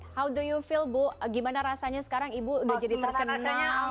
how to you feel bu gimana rasanya sekarang ibu udah jadi terkenal